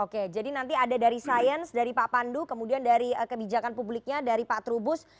oke jadi nanti ada dari sains dari pak pandu kemudian dari kebijakan publiknya dari pak trubus